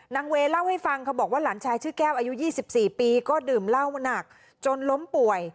เวย์เล่าให้ฟังเขาบอกว่าหลานชายชื่อแก้วอายุ๒๔ปีก็ดื่มเหล้าหนักจนล้มป่วย